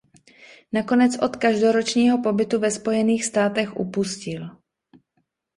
Nakonec od každoročního pobytu ve Spojených státech upustil.